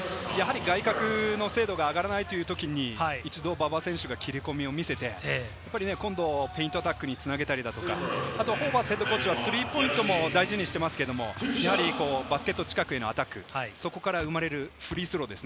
外角の精度が上がらないときに一度、馬場選手が切り込みを見せて、ペイントアタックに繋げたりとか、ホーバスＨＣはスリーポイントも大事にしていますが、バスケット近くへのアタック、そこから生まれるフリースロー。